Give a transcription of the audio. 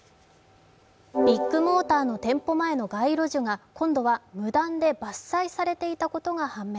ビッグモーターの店舗前の街路樹が、今度は無断で伐採されていたことが判明。